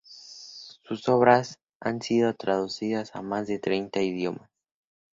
Sus obras han sido traducidas a más de treinta idiomas.